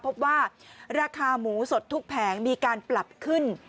พบว่าราคาหมูสดทุกแผงมีการปรับขึ้น